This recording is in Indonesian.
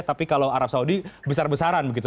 tapi kalau arab saudi besar besaran begitu